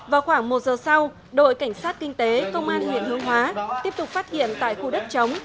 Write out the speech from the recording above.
vào khoảng một giờ sau đội cảnh sát kinh tế công an huyện hương hóa tiếp tục phát hiện tại khu đất chống